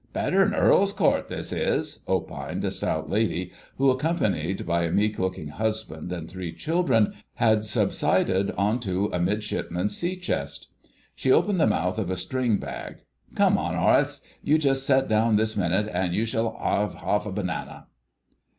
"Better'n Earl's Court, this is," opined a stout lady, who, accompanied by a meek looking husband and three children, had subsided on to a Midshipman's sea chest. She opened the mouth of a string bag. "Come on, 'Orace—you just set down this minute, an' you shall 'ave 'arf a banana."